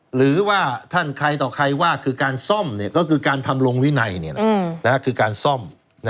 หรือว่าท่านใครต่อใครว่าคือการซ่อมก็คือการทำลงวินัยคือการซ่อม